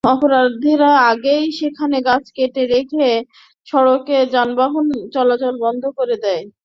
অবরোধকারীরা আগেই সেখানে গাছ কেটে রেখে সড়কে যানবাহন চলাচল বন্ধ করে দেয়।